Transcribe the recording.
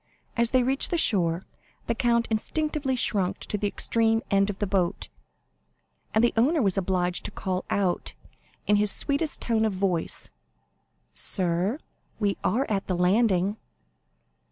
As they reached the shore, the count instinctively shrunk to the extreme end of the boat, and the owner was obliged to call out, in his sweetest tone of voice: "Sir, we are at the landing."